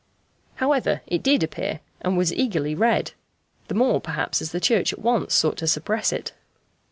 However, it did appear, and was eagerly read; the more, perhaps, as the Church at once sought to suppress it.